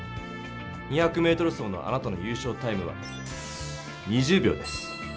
２００ｍ走のあなたの優勝タイムは２０秒です。